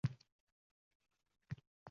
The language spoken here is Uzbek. Xayr-saxovatdan munavvar dillar